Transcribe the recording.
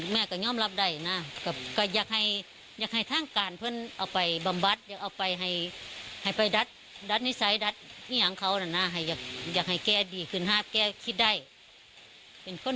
แม่บอกกว่าให้ลูกรับโทษทางกฎหมายจะใช้เพื่อคุณ